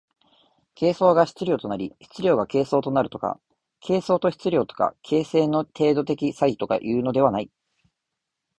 形相が質料となり質料が形相となるとか、形相と質料とか形成の程度的差異とかというのではない。